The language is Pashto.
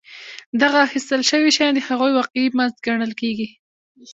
دغه اخیستل شوي شیان د هغوی واقعي مزد ګڼل کېږي